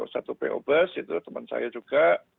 satu po bus itu teman saya juga